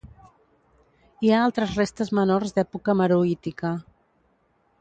Hi ha altres restes menors d'època meroítica.